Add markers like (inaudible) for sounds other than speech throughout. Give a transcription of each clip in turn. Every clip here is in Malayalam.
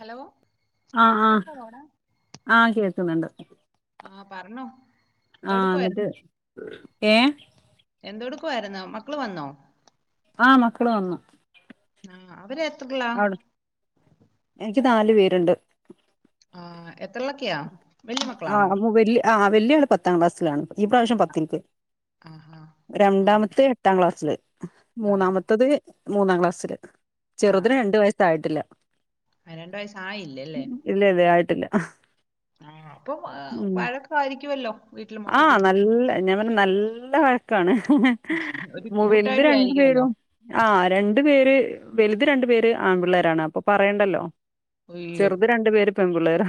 ഹലോ ആഹ് ആഹ് കേക്കാവോടാ ആഹ് കേൾക്കുന്നുണ്ട് ആഹ് പറഞ്ഞോ ആഹ് എന്നിട്ട് എന്തെടുക്കുവായിരുന്നു ഏഹ് എന്തൊടുക്കുവാര്ന്ന് മക്കള് വന്നോ ആഹ് മക്കള് വന്നു ആഹ് അവരെ അവിടെ എനിക്ക് നാല് പേരുണ്ട് ആഹ് എത്ര ആഹ് ആഹ് വല്യ ആള് പത്താം ക്ലാസ്സിലാണ് ഈ പ്രാവശ്യം പത്തിൽക്ക് ആഹാ ആ രണ്ടാമത്തെ എട്ടാം ക്ലാസ്സില് ആ മൂന്നാമത്തത് മൂന്നാം ക്ലാസ്സില് ചെറുതിന് രണ്ടു വയസ്സായിട്ടില്ല ആഹ് രണ്ട് വയസ ആയിയില്ലേല്ലേ ഇല്ല ഇല്ലേ ആയിട്ടില്ല ആഹ് അപ്പൊ വഴക്ക് ആയിരിക്കുമല്ലോ ആഹ് നല്ല ഞാൻനെ നല്ല വഴക്കാണ് ഒരു വലുത കൂട്ടാടി രണ്ടു ആയിരിക്കുമല്ലോ പേരും ആഹ് രണ്ടു പേര് വലുത് രണ്ടു പേര് ആൺ പിള്ളേരാണ് അപ്പൊ പറയണ്ടല്ലോ അയ്യോ ചെറുത് രണ്ടു പേര് പെൺപിള്ളേർ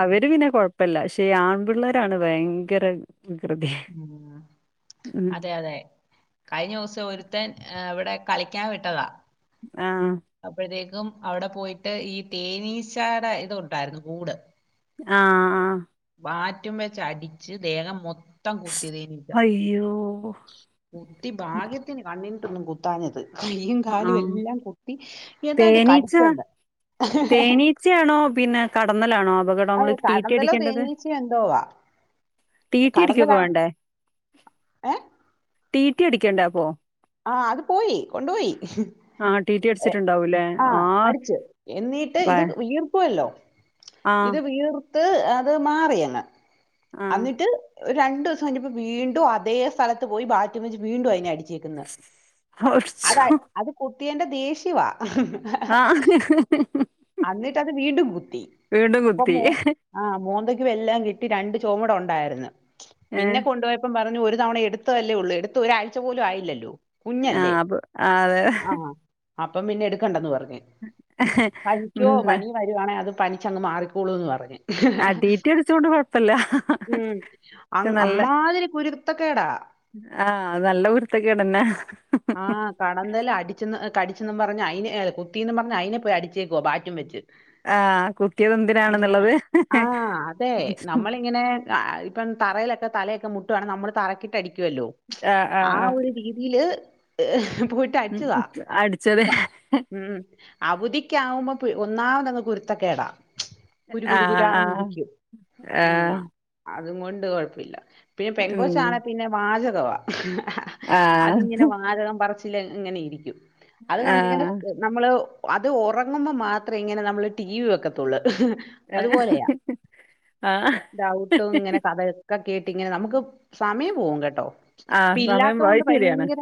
അവര് പിന്നെ കൊഴപ്പ പ്പില്ല പക്ഷേ ഈ ആൺപിള്ളേരാണ് ഭയങ്കര (unintelligible) ഉം ഉം അതെ അതെ കഴിഞ്ഞ ദെവസം ഒരുത്തൻ ഇവിടെ കളിക്കാൻ വിട്ടതാ ആഹ് അപ്പോഴത്തേക്കും അവിടെ പോയിട്ട് ഈ തേനീച്ചയുടെ ഇത് ഉണ്ടായിരുന്നു കൂട് ആഹ് ആഹ് ബാറ്റും വെച്ച് അടിച്ച് ദേഹം മൊ- ങ്കൂത്തിതിനി (unintelligible) അയ്യോ കുത്തി ഭാഗ്യത്തിന് കണ്ണിന്ട്ടൊന്നും കുത്താഞ്ഞത് കൈയും കാലും ആഹ് എല്ലാം കുത്തി ഏതാണ്ട് തേനീച്ച കടിക്കച്ചെന്ന് തേനീച്ചയാണോ പിന്നെ കടന്നലാണോ അപകട- അത് കടന്തലോ തേനീച്ചയോ എന്തോവാ ടീറ്റി അടിക്കൊക്കെ കടന്തലാ- വേണ്ടേ? ഏയെ ടീറ്റി അടിക്കേണ്ടാ അപ്പൊ ആഹ് അത് പോയി കൊണ്ട് പോയി ആഹ് ടീറ്റി അടിച്ചിട്ടുണ്ടാവൂല്ലേ? ആഹ് അടിച്ച് എന്നീട്ട് ഭ ഇത് വീർക്കുവല്ലോ ആഹ് ഇത് വീർത്ത് അത് മാറിയങ്ങ് ആഹ് എന്നിട്ട് ഒരു രണ്ട ദെവസം കഴിഞ്ഞപ്പോ വീണ്ടും അതേ സ്ഥലത്ത് പോയി ബാറ്റും വെച്ച് വീണ്ടും അതിനെ അടിച്ച- അത് അട്ച്ചോ! അത് കുത്തിയെന്റെ ദേഷ്യവാ ആഹ് അന്നിട്ട് അത് വീണ്ടും കുത്തി വീണ്ടും അപ്പൊ- കുത്തി. ആഹ് മോന്തയ്ക്കും എല്ലാം കിട്ടി രണ്ട് ചൊമട് ഉണ്ടായിരുന്നു ഏഹ് പിന്നെ കൊണ്ടുപോയ- ഇപ്പം പറഞ്ഞു ഒരു തവണ എടുത്തതല്ലേ ഉള്ളൂ എടുത്ത് ഒരാഴ്ച പോലും ആയില്ലല്ലോ ആഹ് കുഞ്ഞല്ലേ അപ്പൊ അതെ. ആഹ് അപ്പം പിന്നെ എടുക്കണ്ടന്ന് പറഞ് പനിക്കോ ഉം പനി- വരുവാണെ അത് പനിച്ച് അങ്ങ് മാറിക്കോള്ളൂ എന്ന് പറഞ്ഞു. ആഹ് ഡീറ്റി അടിച്ചോണ്ട് കൊഴപ്പയില്ല ഉം അമ്മാതിരി കുരുത്തക്കേടാ ആഹ നല്ല കുരുത്തക്കെട് തന്നെ. ആഹ് കടന്തല് അടിച്ചെന്ന് കടിച്ചും പറഞ്ഞ് അതിനെ അല്ല കുത്തിന്നു പറഞ്ഞ് അതിനെ പോയി അടിച്ചേക്കുവ ബാറ്റും വെച്ച്. ആ കുത്തിയത് അങ്ങനെ എന്തിനാണെന്നുള്ളത് ആഹ് അതെ നമ്മളിങ്ങനെ ആഹ് ഇപ്പം തറയിലൊക്കെ തലയൊക്കെ മുട്ടുവാണെ നമ്മള് തറക്കിട്ട് അടിക്കുമല്ലോ?. ആ ഒരു രീതിയില് ഏ പോയിട്ട് ഉം അടിച്ചതാ. അടിച്ചത് ഉം അവധിക്ക് ആവുമ്പോ ഒന്നാമത് അങ്ങ് കുരുത്തക്കേടാ കുരു ആ കുര ആ കുരാന്നിരിക്കും ആ ഉം അതും കൊണ്ട് കൊഴപ്പമില്ല പിന്നെ ഉം പെൺങ്കൊച്ചാ ആണെ പിന്നെ വാചകവാ ആ അത് ഇങ്ങനെ വാചകം പറച്ചില് ഇങ്ങനെ ഇരിക്കും അത് ആ നമുക്കിങ്ങനെ നമ്മള് അത് ഒറങ്ങുമ്പോൾ മാത്രേ ഇങ്ങനെ നമ്മള് ടി വി വെക്കത്തുള്ളൂ. ഏ. അതുപോലെയാ ആ ചവിട്ടും ഇങ്ങനെ കത - ഒക്കെ കേട്ട് ഇങ്ങനെ നമുക്ക് സമയം പോവും കേട്ടോ ആ സമയം ഇപ്പൊയില്ലാത്തോണ്ട് പോയത് ശരിയാണ് ഭയങ്കര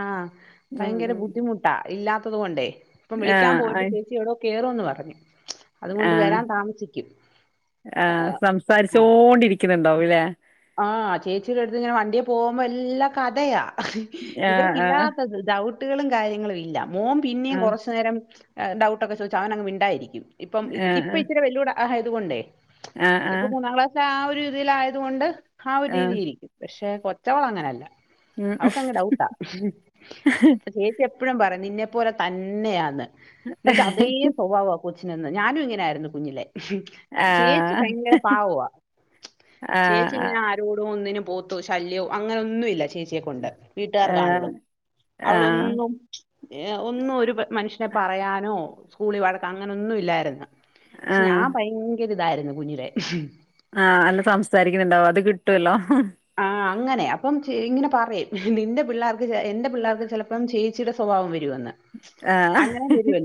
ആഹ് ഉം ഭയങ്കര ഉം ബുദ്ധിമുട്ടാ ഇല്ലാത്തത് കൊണ്ടേ ഇപ്പം ആ വിളിക്കാൻ പോയിട്ട് ചേച്ചി എവിടോ കേറുവെന്ന് പറഞ്ഞു. അതുകൊണ്ട് ആഹ് വരാൻ താമസിക്കും ആ ആഹ് സംസാരിച്ചോണ്ടിരിക്കണ ണ്ടാവുല്ലേ. ആഹ് ചേച്ചിൻ്റെ അടുത്ത് ഇങ്ങനെ വണ്ടിയ പോകുമ്പോയെല്ലാം കഥയാ ആ ആ ഇവർക്കില്ലാത്ത ഡൗവുറ്റുകളും കാര്യങ്ങളുയില്ല മോൻ ആ പിന്നെയും ആ കൊറച്ചു നേരം ഡൗട്ടൊക്കെ ചോദിച്ച് അവനങ്ങ് മിണ്ടാതിയിരിക്കും. ഇപ്പം ഇച്ചിരി ഇപ്പം വെല്ലുതൂടെ ആതുകൊണ്ടേ ആ ആ ആ ഇപ്പൊ മൂന്നാംക്ലാസ് ആ ഒരു രീതിൽ ആയത്കൊണ്ട് ആ ഒരു രീതിയിരിക്കും. പക്ഷെ കൊച്ചവള് അങ്ങനെയല്ല. ഉം അവക്ക് അങ്ങ് ഡൗട്ടാ. ചേച്ചി എപ്പഴും പറയും നിന്നെ പോലെ തന്നെയാന്ന് നിന്റെ ആഹ്. അതേ സ്വഭാവമാ കൊച്ചിനെന്ന് ഞാനും ഇങ്ങനെ ആരുന്നു കുഞ്ഞിലെ ചേച്ചി ആഹ് ഭയങ്കര പാവമാ. ആഹ് ചേച്ചി പിന്നെ ആരോടും ഒന്നിനും പോവത്തോ ശല്യോ അങ്ങനെ ഒന്നുമില്ല ചേച്ചിയെ കൊണ്ട്. വീട്ടുകാർ ആഹ് കാണുള്ളൂ ആഹ് അവളൊന്നും- ഒന്നും ഒരു മനുഷ്യനെ പറയാനോ സ്കൂളിൽ വഴക്ക് അങ്ങനെൊന്നും ഇല്ലായിരുന്നു. ക്ഷേ ആഹ് ഞാൻ ഭയങ്കര ഇതായിരുന്നു കുഞ്ഞിലേ ആഹ് അല്ല സംസാരിക്കുന്നുണ്ടാവും അത് കിട്ടുവല്ലോ. ആഹ് അങ്ങനെ അപ്പം ചേ ഇങ്ങനെ പറയും നിന്റെ പിള്ളേർക്ക് എന്റെ പിള്ളേർക്ക് ചെലപ്പം ചെയ് ചിയുടെ സ്വഭാവം വരുമെന്ന്. ആഹ് (unintelligible)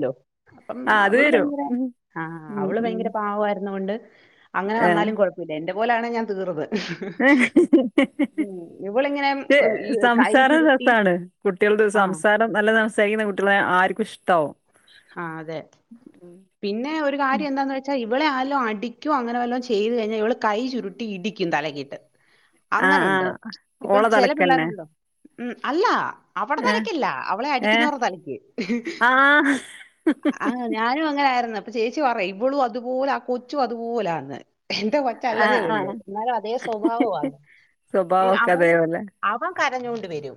ആഹ് അപ്പം അത് അവള് വരും ഭയങ്കര ഉം ആഹ് ഉം അവള് ഉം ഭയങ്കര പാവമായിരുന്നൊണ്ട് അങ്ങനെ ആഹ് വന്നാലും കുഴപ്പമില്ല എന്റെ പോലാണ് ഞാൻ തീർന്ന്. (unintelligible) ഉം. ഇവളിങ്ങനെ ഉം, ഈ കൈ സംസാരം ചുരുട്ടി രസമാണ് കുട്ടികൾടെ ആ, സംസാരം നല്ല സംസാരിക്കുന്ന കുട്ടികളെ ആര്ക്കും ഇഷ്ടാവും. ആഹ് അതെ ഉം പിന്നെ ഒരു കാര്യം എന്താണെന്ന് വെച്ചാൽ ഇവളെ ആരെലും അടിക്കും അങ്ങനെ വല്ലോ ചെയ്തും കഴിഞ്ഞാൽ ഇവൾ കൈ ചുരുട്ടി ഇടിക്കും തലക്കിയിട്ട്. (unintelligible) അങ്ങനുണ്ട് ആഹ് ഓള ഇപ്പം ചില തലക്കന്നെ പിള്ളേരുണ്ടോ ഉം അല്ല അവടെ ഏഹ് തലക്കല്ല അവളെ ഏഹ് അടിക്കുന്നവരുടെ തലക്ക്. ആഹ് ആഹ് ഞാനും അങ്ങനെ ആരുന്നു അപ്പൊ ചേച്ചി പറയും ഇവളും അതുപോലെ ആ കൊച്ചും അതുപോലാന്ന്. എന്റെ കൊച്ച അല്ലന്നേ ആഹ് ഉള്ളൂ ആഹ് എന്നാലും അതേ സ്വഭാവം അണ് സ്വഭാവൊക്കെ അവന് അതേപോലെ അവൻ കരഞ്ഞൊണ്ട് വരും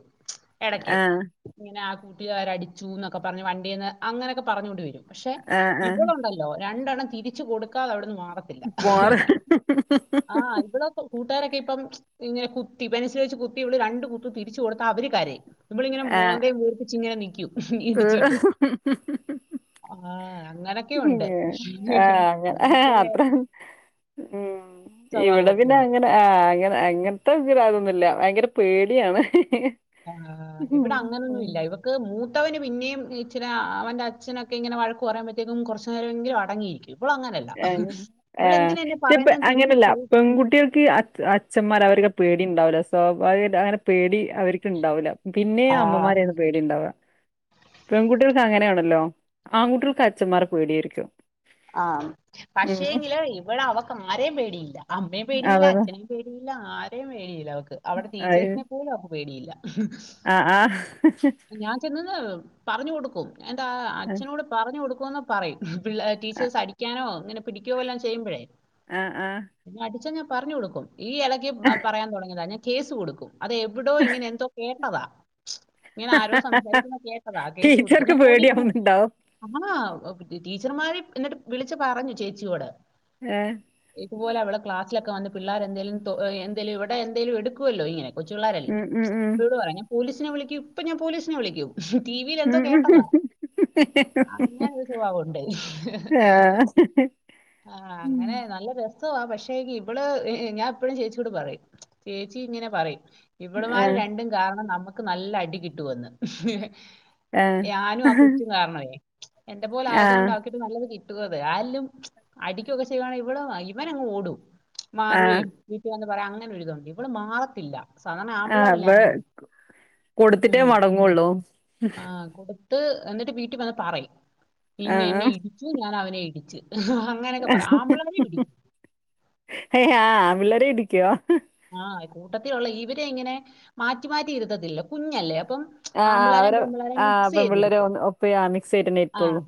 ഇടക്ക് ആഹ് ഇങ്ങനെ ആഹ് കൂട്ടുകാര് അടിച്ചു എന്നൊക്കെ പറഞ്ഞ് വണ്ടിന്ന് അങ്ങനെയൊക്കെ പറഞ്ഞോണ്ട് വരും പക്ഷെ ആഹ് ആഹ് ഇവൾ ഉണ്ടല്ലോ ല്ലോ? രണ്ടെണം തിരിച്ചച്ച് കൊടുക്കാതെ അവിടുന്ന് മാറ പാറ് (unintelligible) ആഹ് (unintelligible) കൂട്ടുകാരൊക്കെ ഇപ്പം ഇങ്ങനെ കുത്തി പെൻസിൽ വെച്ച് അവൾ രണ്ട് കുത്ത തിരിച്ചു കൊടുത്താ അവര് കരയും ഇവൾ ഇങ്ങനെ മോന്തയും വീർപ്പിച്ച് ഇങ്ങന നൽക്കും (unintelligible) ആഹ് അങ്ങനൊക്കെയ ഉണ്ട് ആഹ് അങ്ങനെ അങ്ങനത്തെ അത്ര ഉം ഇവിടെ സ്വഭാവമൊക്കെ പിന്നെ ഉണ്ട്. അങ്ങനെ ആഹ് അങ്ങനെ അങ്ങനത്തെ ഇല്ല അതൊന്നുമില്ല ഭയങ്കര പേടിയാണ് (unintelligible) ആഹ് ഉം. ഇവിടെ അങ്ങനൊന്നും ഉം. ഇല്ല ഇവ മൂത്തവന് പിന്നെയും ഇച്ചില അവന്റെ അച്ഛനൊക്കെ ഇങ്ങനെ വഴക്ക് പറയുമ്പോഴത്തേക്കും കുറച്ച് നേരം എങ്കിലും അടങ്ങിയിരിക്കും ഇവള് അങ്ങനല്ല. ഇവള് എന്തിനാ എന്നെ ഇതെപ്പ പറയുന്നതെന്ന് തിരിച്ച് അങ്ങനല്ല ചോദിക്കും. പെൺകുട്ടികൾക്ക് അച്ഛന്മാർ അവർക്ക് പേടി ഉണ്ടാവില്ല സ്വാഭാവികം അങ്ങനെ പേടി അവർക്ക് ഉണ്ടാവില്ല പിന്നെയും ആ, അമ്മമാരെ പേടി ഉണ്ടാവ പെൺകുട്ടികൾക്ക് അങ്ങനെയാണല്ലോ ആൺകുട്ടികൾക്ക് മച്ചാന്മാരെ പേടിയായിരിക്കും ആഹ് ഉം പക്ഷേ എങ്കിലും ഇവിടെ അവക്ക് ആരെ പേടിയില്ല അമ്മേ പേടിയില്ല അതന്നെ അച്ഛനെ പേടിയില്ല ആരെ പേടിയില്ല അവക്ക് അവിടെ അയ് ടീച്ചേഴ്സിനെ പോലും അവക്ക് പേടിയില്ല ആഹ് ആഹ് ഞാൻ ചെന്നെന്ന് പറഞ്ഞു കൊടുക്കും എന്റെ അച്ഛനോട് പറഞ്ഞു കൊടുക്കോന്ന പറയും പി ടീച്ചേഴ്സ് അടിക്കാനോ ഇങ്ങനെ പിടിക്കുവോ എല്ലാം ചെയ്യുമ്പോഴേ ആഹ് ആഹ് പിന്നെ അടിച്ചാ ഞാൻ പറഞ്ഞു കൊടുക്കും ഈ ഇടക്ക് പറയാൻ തുടങ്ങിയതാണ് ഞാൻ കേസ് കൊടുക്കും അത് എവിടോ ഇങ്ങനെ എന്തോ കേട്ടതാ ഞാൻ ആരോ സംസാരിക്കുന്ന കേട്ടതാ കേസ് കൊടുത്തു ടീച്ചർക്ക് ഞാൻ പോലീസിനെ പേടിയാവുന്നുണ്ടാവും അങ്ങനെ ടീച്ചർമാര് എന്നിട്ട് വിളിച്ച പറഞ്ഞു ചേച്ചിയോട് എഹ് ഇതുപോലെവിടെ ക്ലാസിലക്കെ വന്ന പിള്ളാരെന്തങ്കിലും എന്തേലും ഇവിടെ എന്തേലും എടുക്കുവല്ലോ ഇങ്ങനെ കൊച്ചുള്ളള്ളരല്ലേ ഉം ഉം ഉം പറയും പോലീസിനെ വിളിക്കൂ ഇപ്പം ഞാൻ പോലീസിനെ വിളിക്കൂ (unintelligible) ടി വിൽ എന്തോ ഉം കേട്ടതാ ഉം അങ്ങന ഒരു സ്വഭാവം ഉണ്ട് (unintelligible) ആഹ് (unintelligible) ആ ഉം അങ്ങനെ നല്ല പക്ഷേ ഇവള് ഞാൻ ഇപ്പോഴും ചേച്ചിയൂട് പറയും ചേച്ചി ഇങ്ങനെ പറയും ഇവളുമാര് ആഹ് രണ്ടും കാരണം നമ്മുക്ക് നല്ല അടി കിട്ടും എന്ന് (unintelligible) ആഹ് ഞാനും ആഹ് കൊച്ചും കാരണവേ എന്റെ പോലെ ആയത് കൊണ്ട് ആഹ് അവക്കിട്ട് നല്ലത് കിട്ടി ട്ടും അതെ ആലും അടിക്കൊക്കെ ചെയ്യുവാണെ ഇവള് ഇവനങ്ങ് ഓടും ആഹ് മാറൊ ആഹ് വീട്ടി വന്ന് പറയാം അങ്ങനോരു ഇതുണ്ട് ഇവള് മാറത്തില്ല സാധാരണ ആഹ് ആമ്പിള്ളേരല്ലേ ഇവള് അങ്ങനെ കൊടുത്തിട്ടെ മടങ്ങോള്ളൂ ആഹ് കൊട് ത്ത് എന്നിട്ട് വീട്ടീ വന്ന് പറയും ആഹ് ഇന്നെന്നെ ഇടിച്ചു ഞാനവനെ ഇടിച്ച് അങ്ങനെയൊക്കെ പറയും ആമ്പിള്ളേരെ ഇടിക്കും ആഹ് ആൺപിള്ളേരെ ഇടിക്കൊ ആഹ് കൂട്ടത്തില്ള്ള ഇവരെ ഇങ്ങനെ മാറ്റിമാറ്റിയിര്ത്തത്തില്ല കുഞ്ഞല്ലേ അപ്പം ആഹ് ആമ്പിള്ളേരെ അവരെ പെൺപിള്ളേരെ ആഹ് മിക്സെയ്ത് പെൺപിള്ളേരെ ഇരിത്തും ഒന്ന് ഒപ്പ ആ മിക്സ് ആയിട്ടന്നെ ആഹ് ഇരുത്തുള്ളൂ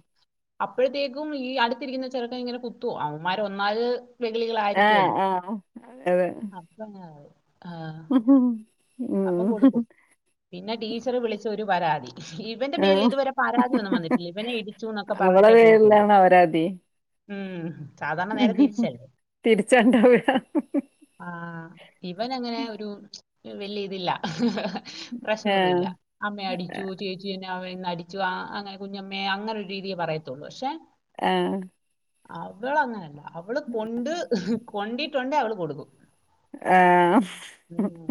അപ്പോഴത്തേക്കും ഈ അട്ത്തിരിക്ക്ന്ന ചെറ്ക്കൻ ഇങ്ങനെ കുത്തു അവന്മാര് ഒന്നാത് ആഹ് ആഹ് അതെ ആഹ് ഹം അപ്പം കൊടുക്കും പിന്നെ ടീച്ചറ് വിളിച്ചൊരു പരാതി ഇവന്റെ പേരില് ആഹ് ഇതുവരെ പരാതിയൊന്നും വന്നിട്ടില്ല ഇവനെ ഇടിച്ചുന്നൊക്കെ അവളെ പറഞ്ഞിട്ടേ പോയിട്ടുണ്ട് പേരിലാണ് ഉം സാധാരണ നേരെ തിരിച്ചല്ല തിരിച്ച്ണ്ടാവാ ആഹ് ഇവൻ അങ്ങനെ ഒരു വല്യ ഇതില്ല പ്രശ്നൊന്നു ആഹ് ഇല്ല അമ്മ അടിച്ചു ചേ ച്ചി ഇന്നെവന് ഇന്ന് അടിച്ചു ആഹ് അങ്ങനെ കുഞ്ഞമ്മേ അങ്ങനെ ഒരു രീതീ പറയത്തൊള്ളൂ പക്ഷെ ആഹ് അവള് അങ്ങനെ അല്ല അവള് കൊണ്ട് കൊണ്ടിട്ടുണ്ടേ അവള് കൊടുക്കും ആഹ് ഉം.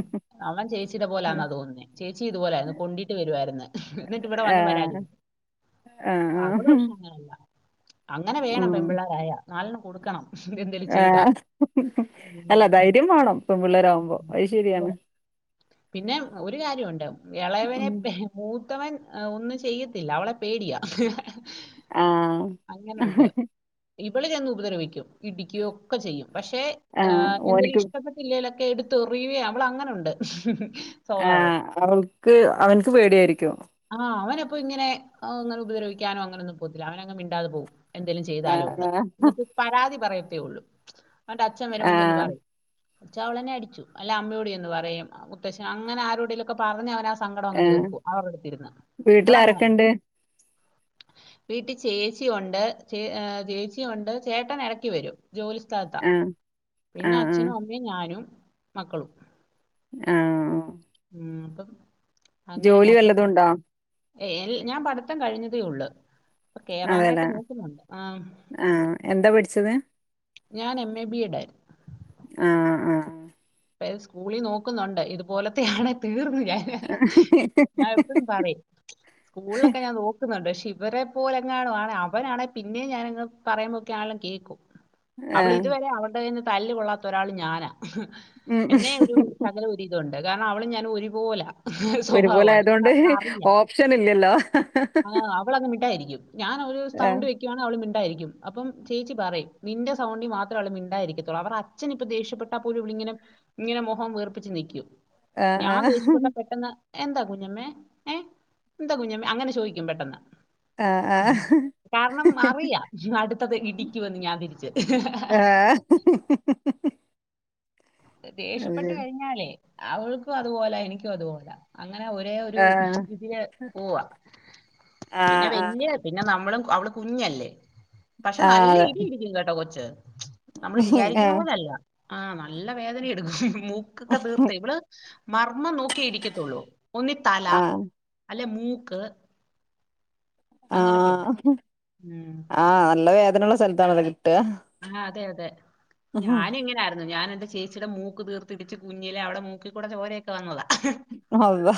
അവൻ ചേച്ചീടെ പോലാന്നാ ആ തോന്ന്ന്നെ ചേച്ചി ഇതുപോലായിരുന്നു കൊണ്ടീട്ട് വരുവായിരുന്ന് എന്നിട്ട് ഇവിടെ വന്ന് പരാതി (unintelligible) ആ അവള് പക്ഷേ അങ്ങനെയല്ല അങ്ങനെ വേണം ഉം പെൺമ്പിള്ളേരായ നാലെണ്ണം കൊട്ക്കണം ആഹ് അല്ല ഉം. ധൈര്യം വാണം പെൺപിള്ളേരാവുമ്പോ അത് അതെ ശരിയാണ് പിന്നെ ഒരു കാര്യ ഉണ്ട് ഇളയവനെ ഉം പേ മൂത്തവൻ ഒന്നും ചെയ്യത്തില്ല അവളെ പേടിയാ ആ അങ്ങനുണ്ട് ഇവള് ചെന്ന് ഉപദ്രവിക്കും ഇടിക്ക്യു ഒക്കെ ചെയ്യും പക്ഷെ ആ ഏ എന്തേലും ഓനിക്ക് ഇഷ്ടപെ ട്ടില്ലേലൊക്കെ എട്ത്തെറിയ്യെ അവള് അങ്ങനെണ്ട് ആഹ് അവൾക്ക് അവൻക്ക് പേടിയായിരിക്കും ആഹ് അവനപ്പോ ഇങ്ങനെ അങ്ങനെ ഉദ്രവിക്കാനോ അങ്ങനെൊന്നും പോവത്തില്ല അവനങ് മിണ്ടാതെ പോവും എന്തേലും ആ ചെയ്താലേ ഒള്ള് ആ ഇന്നിട്ട് പരാതി പറയത്തേ ഒള്ളൂ അവന്റെ അച്ഛൻ ആ വര്മ്പോ ചെന്ന് പറയും അച്ഛാ അവളെന്നെ അടിച്ചു അല്ലേ അമ്മയോട് ചെന്ന് പറയും മുത്തശ്ശാ അങ്ങനെ ആരോടെിലൊക്കെ പറഞ്ഞവനാ സങ്കടങ്ങ് ആ തീർക്കും അവരട്ത്തിരുന്ന് വീട്ടിൽ ഇവള്ങ്ങനെ അല്ല ആരൊക്കെണ്ട് വീട്ടിൽ ചേച്ചിയുണ്ട് ചേ ചേച്ചിയുണ്ട് ചേട്ടൻ എടക്കി വരും ജോലി സ്ഥലത്താ ആ ആ പിന്നെ ആ അച്ഛനും അമ്മയും ഞാനും മക്കളും ആഹ് ആഹ് ഉം അപ്പം അങ്ങനെ വല്ലതും മൊത്തത്തി ഉണ്ടോ ഏയ് അൽ ഞാൻ പഠ്ത്തം കഴിഞ്ഞതേ ഒള്ള് അതെല്ലേ ആഹ് എന്താ പിഠിച്ചത് ഞാൻ എം എ ബി എഡായി ആഹ് ആഹ് ഇപ്പഞാ സ്കൂളി നോക്ക്ന്നുണ്ട് ഇതുപോലത്താണെ തീർന്നു ഞാൻ ഞാൻ എപ്പഴും പറിം സ്കൂള്ലൊക്കെ ഞാൻ നോ ക്ക്ന്നുണ്ട് പക്ഷെ ഇവരെ പോലെങ്ങാണു ആണെ അവനാണേ പിന്നെയും ഞാനങ് പറയുമ്പോക്കാണേലും കേക്കും ആ അവളിതുവരെ അവള്ടെ കയ്യിന്ന് തല്ല് കൊള്ളാത്തൊരാള് ഞാനാ ഉം എന്നെ ഒരു ശകലൊരിതുണ്ട് കാരണം അവള് ഞാനും ഒരുപോലാ ഒരുപോലായതൊണ്ട് ഓപ്ഷനില്ലല്ലോ ട്ടായിരിക്കും ഞാൻ ഒരു സൗ അവള് മിണ്ടായിരിക്കും അപ്പം ചേച്ചി പറയും മിന്റെ സൗണ്ടിൽ മാത്രേ അവള് മിണ്ടായിരിക്കത്തുള്ളൂ അവ അച്ൻ ഇപ്പപ്പോ ദേഷ്യപ്പെട്ടാ പോല ഇ ഇങ്ങനെ ഇങ്ങനെ മഹം വേർപ്പിച്ച് നൽക്കു ആഹ് ഞാൻ ആഹ്. ദേഷ്യപ്പെട്ട പെട്ടെന്ന് എന്താ കുഞ്ഞമ്മേ ഏ എന്താ കുഞ്ഞമ്മേ അങ്ങനെ ചോദിക്കും പെട്ടെന്ന് ആഹ് കാരണം അറിയാം അടുത്തത് ഇടിക്കൂെന്ന് ഞാൻ തിരിച്ചു (inaudible) അത് ദേഷ്യപ്പെട്ടു ശരി. കഴിഞ്ഞാലേ അവൾക്കും അതുപോല എനിക്കും അതുപോല അങ്ങനെ ഒരേ ഒരു ആഹ് ഇതിൽ പോവാ പിന്നെ ആഹ് ആഹ് വല്യ പിന്നെ നമ്മളും അവള് കുഞ്ഞല്ലേ പക്ഷെ ആഹ് നല്ല അതെ. ഇടിയിരിക്കും കേട്ടോ കൊച്ച് നമ്മള് വിചാരിക്കുന്ന ആഹ് പോലല്ല ആഹ നല്ല വേദന എടുക്കും മൂക്കൊക്കെ തീർത്ത് ഇവള് മർന്ന്ു നോക്കി ഇരിക്കത്തുള്ളൂ ഒന്നി തല ആഹ് അല്ലെ മൂക്ക് അങ്ങനൊക്കെയുണ്ട് ആഹ ഉം. ആഹ നല്ല വേദന ഉള്ള സ്ഥലത്താണ അതോ കിട്ടുക ആ അതെ അതെ ഞാന ഇങ്ങനൊയിരുന്നു ഞാാന എറെ ചച്ച ചേച്ചിയുടെ മൂക്ക് തീർത്തിടിച്ച് കുഞ്ഞില അവിടെ മൂക്കിൽ കൂടെ ചോരൊക്കെ വന്നതാ അള്ളാ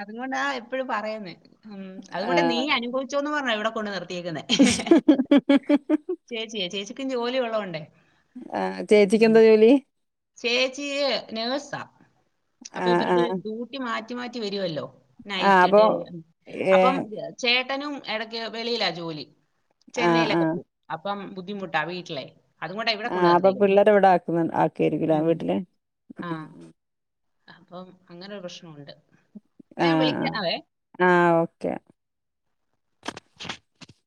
അതുകൊണ്ടാ എപ്പോഴും പറയന്ന് ഉം അതുകൊണ്ട് നീ ആഹ്. അനുഭവിച്ചോന്ന് പറഞ്ഞോ ഇവിടെ കൊണ്ട് നിർത്ത (unintelligible) ചേ ചേച്ചിക്കും ജോലി ഉള്ളതോണ്ടേ ആ ചേച്ചക്ക് എന്താ ജോലി ചേച്ചിയ നേഴ്സാ അപ്പൊ ആഹ് ഇവർക്ക് ആഹ് ഡ്യൂട്ടി മാറ്റി മാറ്റി വരുവല്ലോ ആഹ് നൈറ്റ് അപ്പൊ ഇടായിരുന്നു അപ്പം ഏഹ് ചേട്ടനും എടക്ക് വെളിയിലാ ജോലി ആഹ് ചെന്നൈയിലൊക്കെ ആഹ് പോവും അപ്പം ബുദ്ധിമുട്ടാ വീട്ടില് ആഹ് അപ്പൊ പിള്ളേരെ ഇവിടെ ആക്കുന്നു ആക്ക് ഉം ആഹ് അപ്പം അങ്ങനൊരു പ്രശ്നോണ്ട് ന്ന ഞാൻ ആഹ് ആഹ് വിളിക്കാവേ ആഹ് ഓക്കെ